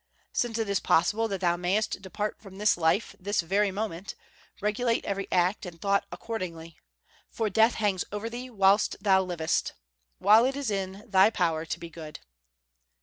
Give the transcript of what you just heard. '" "Since it is possible that thou mayest depart from this life this very moment, regulate every act and thought accordingly (... for death hangs over thee whilst thou livest), while it is in thy power to be good."